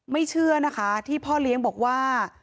เชื่อนะคะที่พ่อเลี้ยงบอกว่า